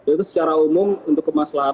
itu secara umum untuk kemaslahan